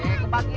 ya allah ya allah